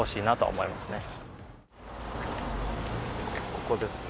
ここですね。